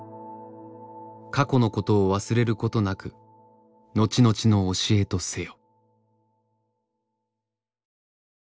「過去のことを忘れることなく後々の教えとせよ」。